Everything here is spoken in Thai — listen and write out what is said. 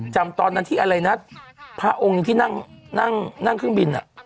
จำตอนที่ผ้าองค์นี้นั่งเครื่องบิน